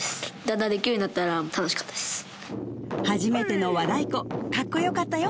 初めての和太鼓カッコよかったよ！